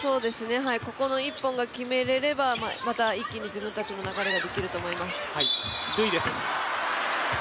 ここの一本が決められれば自分たちの流れができると思います。